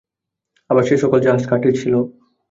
আবার সে-সকল জাহাজ কাঠের ছিল।